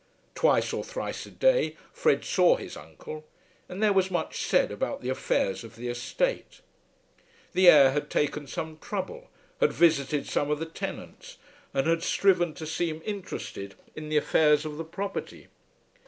Twice or thrice a day Fred saw his uncle, and there was much said about the affairs of the estate. The heir had taken some trouble, had visited some of the tenants, and had striven to seem interested in the affairs of the property.